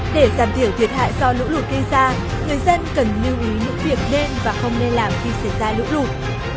để giảm thiểu thiệt hại do lũ lụt gây ra người dân cần lưu ý những việc nên và không nên làm khi xảy ra lũ lụt